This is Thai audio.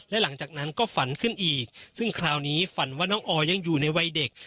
และหลังจากนั้นก็ฝันขึ้นอีกซึ่งคราวนี้ฝันว่าน้องออยังอยู่ในวัยเด็ก